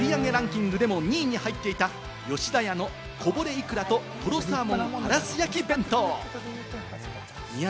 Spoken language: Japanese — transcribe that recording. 第４位は売り上げランキングでも２位に入っていた吉田屋の「こぼれイクラととろサーモンハラス焼き弁当」。